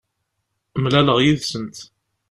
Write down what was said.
Mlaleɣ yid-sent.